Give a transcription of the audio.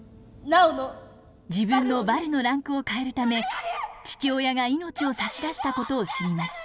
自分のヴァルのランクを変えるため父親が命を差し出したことを知ります。